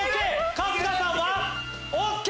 春日さんは？ＯＫ！